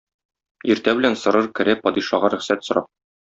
Иртә белән Сорыр керә падишага рөхсәт сорап.